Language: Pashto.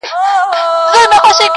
د پښتنو درنې جرګې به تر وړۍ سپکي سي!.